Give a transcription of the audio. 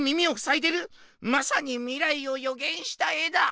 まさに未来を予言した絵だ！